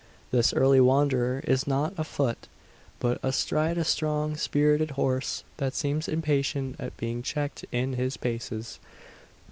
This early wanderer is not afoot, but astride a strong, spirited horse, that seems impatient at being checked in his paces.